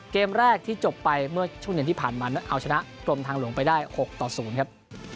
เกมแรกที่จบไปเมื่อช่วงเดือนที่ผ่านมาเอาชนะกลมทางหลวงไปได้หกต่อศูนย์ครับ